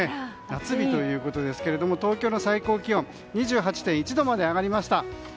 夏日ということですが東京の最高気温は２８．１度まで上がりました。